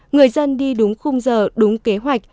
người dân đi đúng khung giờ đúng kế hoạch